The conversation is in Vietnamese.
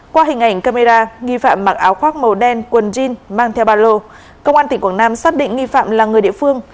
qua hình ảnh camera nghi phạm mặc áo khoác màu đen quần jean mang theo ba lô công an tỉnh quảng nam xác định nghi phạm là người địa phương